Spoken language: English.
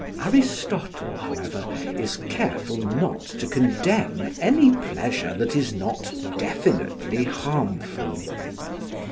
Aristotle, however, is careful not to condemn any pleasure that is not definitely harmful.